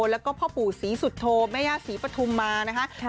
แล้วก็พ่อปู่ศรีสุโธแม่ย่าศรีปฐุมมานะคะ